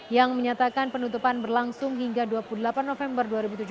yang menyatakan penutupan berlangsung hingga dua puluh delapan november dua ribu tujuh belas